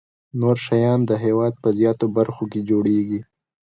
نور شیان د هېواد په زیاتو برخو کې جوړیږي.